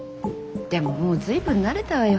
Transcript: でももう随分慣れたわよ。